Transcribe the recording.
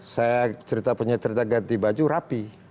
saya punya cerita cerita ganti baju rapi